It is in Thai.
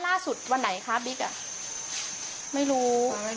อ๋อแต่ว่าไปไหนไม่รู้